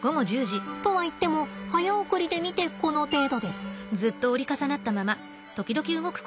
とはいっても早送りで見てこの程度です。